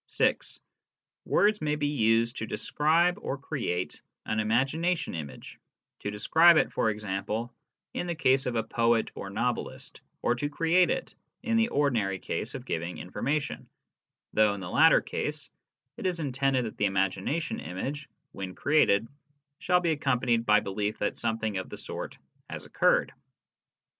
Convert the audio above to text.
(6) Words may be used to describe or create an imagination image : to describe it, for example, in the case of a poet or novelist, or to create it in the ordinary case of giving information though in the latter case, it is intended that the imagination image, when created, shall be accompanied by belief that something of the sort has occurred.